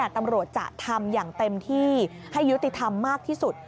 ตำรวจจะทำอย่างเต็มที่ให้ยุติธรรมมากที่สุด